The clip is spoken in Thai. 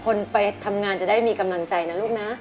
คนไปทำงานจะได้มีกำลังใจนะลูกนะ